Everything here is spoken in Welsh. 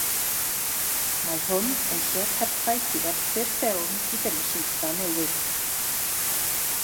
Mae hwn yn lle perffaith i werthu'r ffilm i gynulleidfa newydd